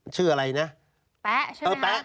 ชื่ออะไรนะแป๊ะใช่ไหมครับ